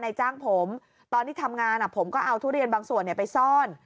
จ้างผมตอนที่ทำงานผมก็เอาทุเรียนบางส่วนไปซ่อน